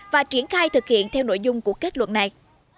và triển khai thực hiện theo nội dung của kết luận này